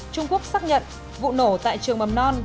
trung quốc xác nhận vụ nổ tại trường mầm non